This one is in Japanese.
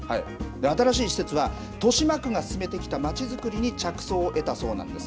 新しい施設は豊島区が進めてきたまちづくりに着想を得たそうなんです。